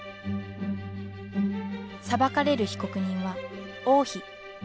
裁かれる被告人は王妃。